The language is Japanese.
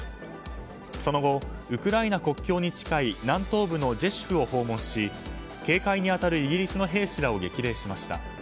その後、ウクライナ国境に近い南東部のジェシュフを訪問し警戒に当たるイギリスの兵士らを激励しました。